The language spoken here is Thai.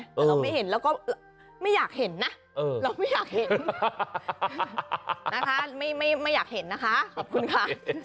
แต่เราไม่เห็นแล้วก็ไม่อยากเห็นนะเราไม่อยากเห็นนะคะไม่อยากเห็นนะคะขอบคุณค่ะ